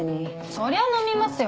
そりゃ飲みますよ